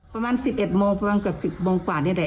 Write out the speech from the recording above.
ประมาณ๑๑โมงประมาณเกือบ๑๐โมงกว่านี่แหละ